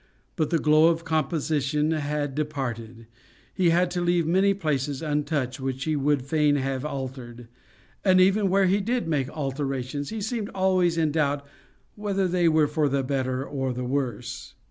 But the glow of composition had departed he had to leave many places untouched which he would fain have altered; and even where he did make alterations, he seemed always in doubt whether they were for the better or the worse.